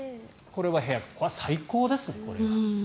これは最高ですね。